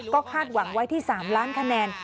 ก็คาดหวังไว้ที่๓ล้านคะแนน